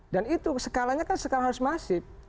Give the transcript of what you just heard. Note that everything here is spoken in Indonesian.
dan itu skalanya kan sekarang harus masif